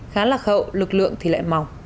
khá lạc hậu lực lượng thì lại mỏng